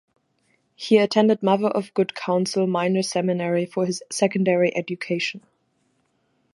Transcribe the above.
He attended Mother of Good Counsel Minor Seminary for his secondary education.